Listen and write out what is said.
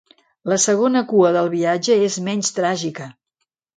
La segona cua del viatge és menys tràgica.